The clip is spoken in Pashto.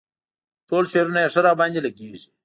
ټول شعرونه یې ښه راباندې لګيږي.